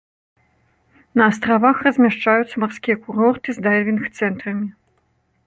На астравах размяшчаюцца марскія курорты з дайвінг-цэнтрамі.